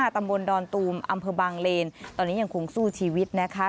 ตำบลดอนตูมอำเภอบางเลนตอนนี้ยังคงสู้ชีวิตนะคะ